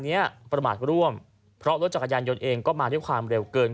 เนี้ยประมาทร่วมเพราะรถจักรยานยนต์เองก็มาด้วยความเร็วเกิน